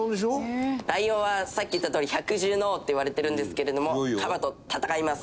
「ライオンはさっき言ったとおり百獣の王っていわれてるんですけれどもカバと戦います